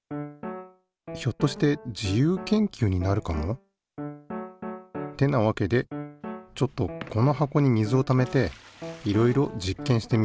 ひょっとして自由研究になるかも？ってなわけでちょっとこの箱に水をためていろいろ実験してみよう。